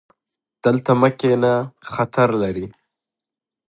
دلته مه کښېنه، خطر لري